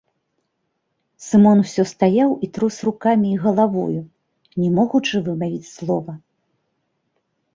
Сымон усё стаяў і трос рукамі і галавою, не могучы вымавіць слова.